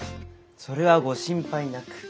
それはご心配なく。